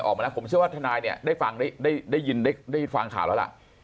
ออกมาแล้วผมเชื่อว่าทนายเนี่ยได้ฟังได้ยินได้ฟังข่าวแล้วล่ะ